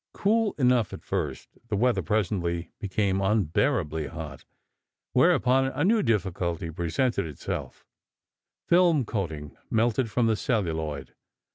Cool enough at first, the weather presently became unbearably hot. Whereupon a new difficulty presented itself: Film coating melted from the celluloid.